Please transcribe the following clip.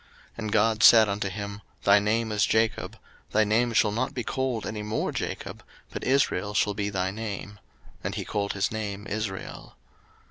01:035:010 And God said unto him, Thy name is Jacob: thy name shall not be called any more Jacob, but Israel shall be thy name: and he called his name Israel.